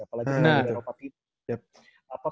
apalagi dengan eropa tiga